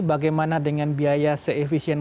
bagaimana dengan biaya se efisien